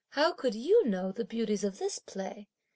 How could you know the beauties of this play?